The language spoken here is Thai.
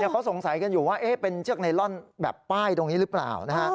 เขาสงสัยกันอยู่ว่าเป็นเชือกไนลอนแบบป้ายตรงนี้หรือเปล่า